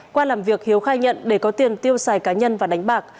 qua làm việc hiếu khai nhận để có tiền tiêu xài cá nhân và đánh bạc